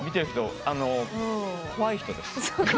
あの怖い人です。